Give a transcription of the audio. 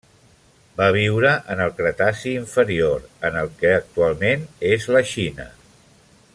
Va viure en el Cretaci inferior, en el que actualment és la Xina.